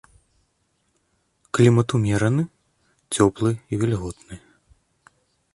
Клімат умераны, цёплы і вільготны.